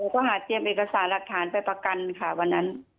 ก็หาเตรียมเอกสารหลักฐานไปประกันค่ะวันนั้น